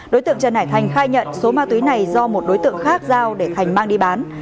đối tượng trần hải thành khai nhận số ma túy này do một đối tượng khác giao để thành mang đi bán